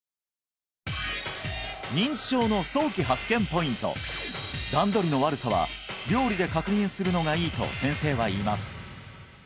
ポイント段取りの悪さは料理で確認するのがいいと先生はいいます